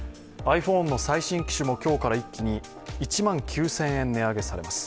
ｉＰｈｏｎｅの最新機種も今日から一気に１万９０００円値上げされます。